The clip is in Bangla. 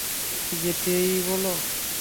তবে কি যেতেই বল?